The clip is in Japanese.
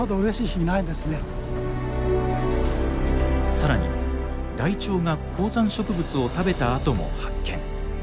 さらにライチョウが高山植物を食べた跡も発見。